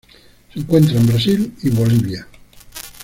Se encuentra en Brasil y Bolivia.